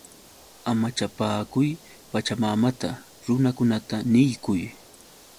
¡Amachapaakuy Pachamamata! Runakunata niykuy.